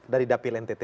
dari dapil ntt dua